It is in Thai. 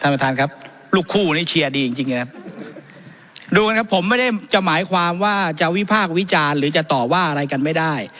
ประธานครับลูกคู่นี้เชียร์ดีจริงจริงนะครับดูนะครับผมไม่ได้จะหมายความว่าจะวิพากษ์วิจารณ์หรือจะต่อว่าอะไรกันไม่ได้